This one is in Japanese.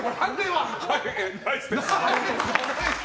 はい、ナイスです。